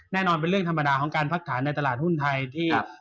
แน่นอนเป็นเรื่องธรรมดาของการพักฐานในตลาดหุ้นไทยที่